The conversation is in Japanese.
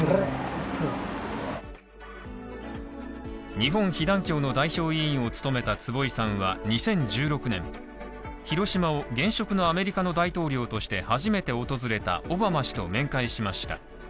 日本被団協の代表委員を務めた坪井さんは２０１６年広島を現職のアメリカの大統領として初めて訪れたオバマ氏と面会しました。